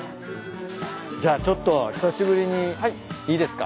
じゃあちょっと久しぶりにいいですか？